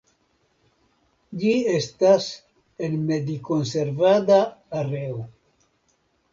Ĝi estas en medikonservada areo.